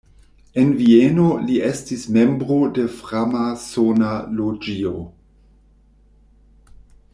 En Vieno li estis membro de framasona loĝio.